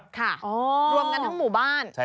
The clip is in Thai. ค่ะรวมกันทั้งหมู่บ้าน